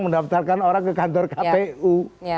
mendaftarkan orang ke kantor kpu